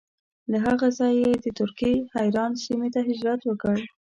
له هغه ځایه یې د ترکیې حران سیمې ته هجرت وکړ.